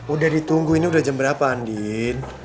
udah ditunggu ini udah jam berapa andin